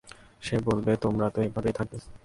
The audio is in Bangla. সে বলবে, তোমরা তো এভাবেই থাকবে।